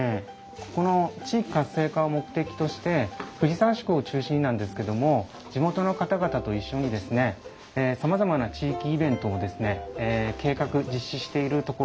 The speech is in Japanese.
ここの地域活性化を目的として藤沢宿を中心になんですけども地元の方々と一緒にさまざまな地域イベントをですね計画実施しているところです。